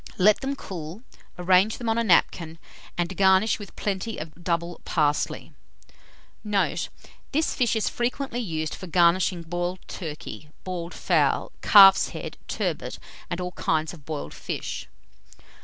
Let them cool, arrange them on a napkin, and garnish with plenty of double parsley. Note. This fish is frequently used for garnishing boiled turkey, boiled fowl, calf's head, turbot, and all kinds of boiled fish.